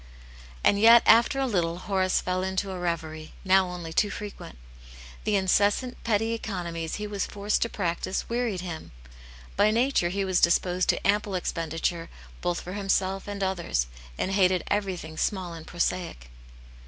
And yet, after a little, Horace fell into a reverie, now only too frequent. The incessant petty econo mies he was forced to practise wearied him ; by nature he was disposed to ample expenditure both for himself and others, and hated everything small and prosaic.